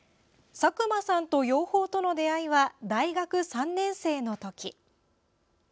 佐久間さんと養蜂との出会いは大学３年生のとき。